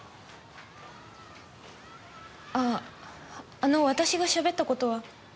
あぁあの私がしゃべった事は。